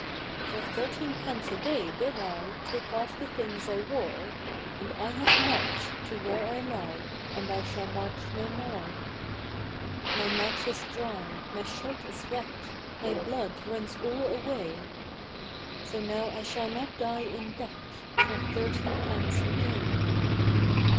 For thirteen pence a day did I Take off the things I wore, And I have marched to where I lie, And I shall march no more. My mouth is dry, my shirt is wet, My blood runs all away, So now I shall not die in debt For thirteen pence a day.